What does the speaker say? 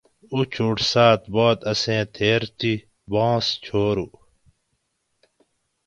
اچوٹ سات بعد اسیں تھیر تی بانز چھورو